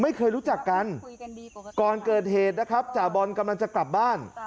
ไม่เคยรู้จักกันก่อนเกิดเหตุนะครับจ่าบอลกำลังจะกลับบ้าน